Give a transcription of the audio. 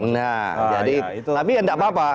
nah jadi tapi ya tidak apa apa